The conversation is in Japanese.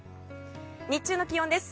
日中の気温です。